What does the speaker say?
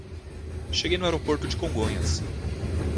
Cheguei no aeroporto de Congonhas